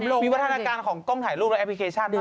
อาจจะเป็นโรควิวัฒนาการของกล้องถ่ายรูปและแอปพลิเคชันมากกว่า